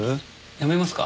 やめますか？